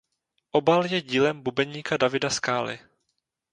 Obal je dílem bubeníka Davida Skály.